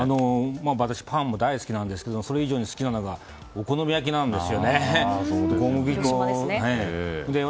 私、パン大好きなんですけどそれ以上に好きなのがお好み焼きなんです。